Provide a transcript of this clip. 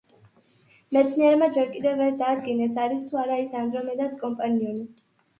მეცნიერებმა ჯერ კიდევ ვერ დაადგინეს, არის თუ არა ის ანდრომედას კომპანიონი.